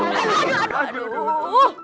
aduh aduh aduh